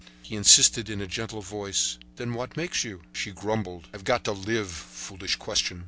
He insisted in a gentle voice: "Then what makes you?" She grumbled: "I've got to live! Foolish question!"